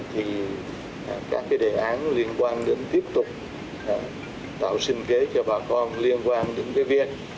thì các cái đề án liên quan đến tiếp tục tạo sinh kế cho bà con liên quan đến cái việc